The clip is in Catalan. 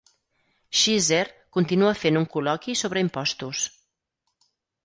Schizer continua fent un col·loqui sobre impostos.